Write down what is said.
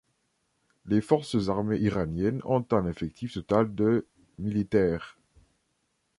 Les forces armées iraniennes ont un effectif total de militaires.